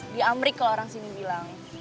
di amrik kalau orang sini bilang